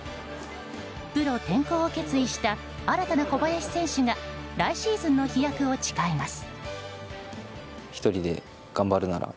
プロ転向を決意した新たな小林選手が来シーズンの飛躍を誓います。